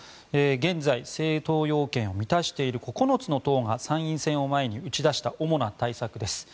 現在、政党要件を満たしている９つの党が、参院選を前に打ち出した主な対策です。